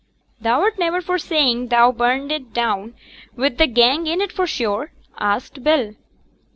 'Thou'rt niver for saying thou burnt it down wi' t' gang in it, for sure?' asked Bell.